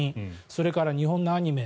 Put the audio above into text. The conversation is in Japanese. それから日本のアニメ